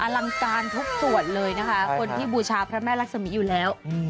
อลังการทุกส่วนเลยนะคะใช่ค่ะคนที่บูชาพระแม่รักษณีย์อยู่แล้วอืม